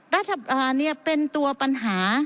รัฐบาลเนี่ยเป็นตัวปัญหา